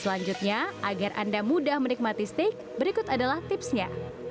selanjutnya agar anda mudah menikmati steak berikut adalah tipsnya